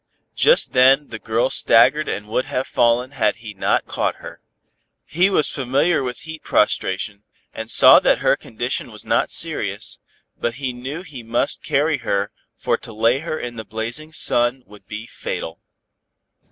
Just then, the girl staggered and would have fallen had he not caught her. He was familiar with heat prostration, and saw that her condition was not serious, but he knew he must carry her, for to lay her in the blazing sun would be fatal.